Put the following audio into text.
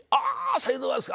さようでございますか。